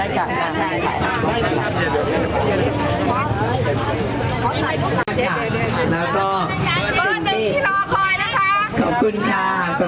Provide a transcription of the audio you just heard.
กับนี้ขอบคุณค่ะ